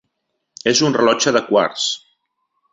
És un rellotge de quars.